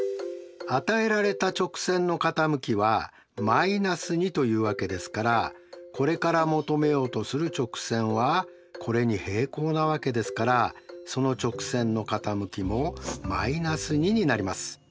与えられた直線の傾きは−２というわけですからこれから求めようとする直線はこれに平行なわけですからその直線の傾きも−２になります。